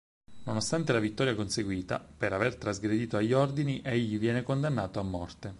Nonostante la vittoria conseguita, per aver trasgredito agli ordini egli viene condannato a morte.